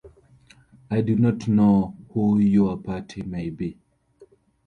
I do not know who your party may be.